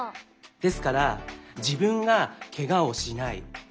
ですからじぶんがけがをしない。